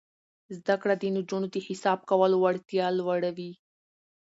زده کړه د نجونو د حساب کولو وړتیا لوړوي.